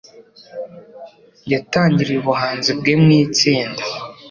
yatangiriye ubuhanzi bwe mu itsinda